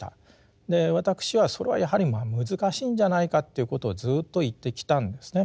私はそれはやはりまあ難しいんじゃないかということをずっと言ってきたんですね。